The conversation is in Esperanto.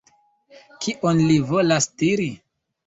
Kion li volas diri?